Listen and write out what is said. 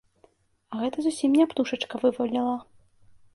А гэта зусім не птушачка вываліла.